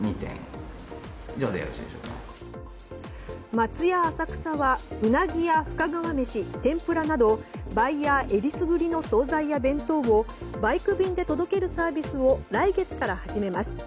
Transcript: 松屋浅草はウナギや深川めし、天ぷらなどバイヤーえりすぐりの総菜や弁当をバイク便で届けるサービスを来月から始めます。